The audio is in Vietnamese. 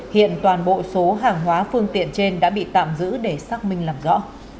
hiện toàn bộ số hàng hóa phương tiện trên đã bị tạm giữ để xác minh làm rõ